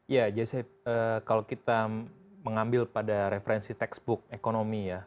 ya jesef kalau kita mengambil pada referensi textbook ekonomi ya